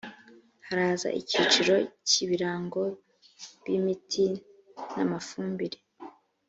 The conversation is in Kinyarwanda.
haraza icyiciro cy’ ibirango b ‘imiti n’amafumbire.